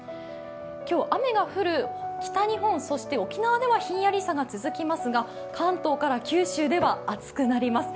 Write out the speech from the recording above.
今日、雨が降る北日本、そして沖縄ではひんやりさが続きますが関東から九州では暑くなります。